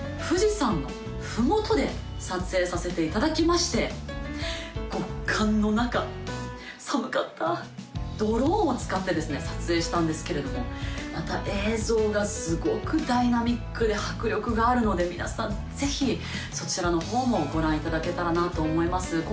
富士山の麓で撮影させていただきまして極寒の中寒かったドローンを使ってですね撮影したんですけれどもまた映像がすごくダイナミックで迫力があるので皆さんぜひそちらの方もご覧いただけたらなと思います